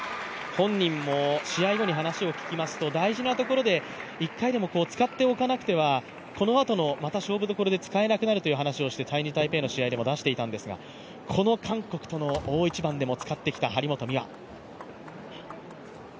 本人も試合後に話を聞きますと、大事なところで１回でも使っておかないとこのあとのまた勝負どころで使えなくなると話して、チャイニーズ・タイペイの試合でも出していたんですが、この韓国との大一番でも使ってきた張本美和。